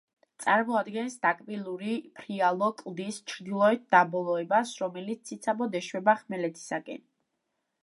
წარმოადგენს დაკბილული ფრიალო კლდის ჩრდილოეთ დაბოლოებას, რომელიც ციცაბოდ ეშვება ხმელეთისაკენ.